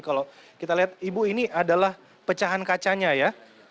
kalau kita lihat ibu ini adalah pecahan kacanya ya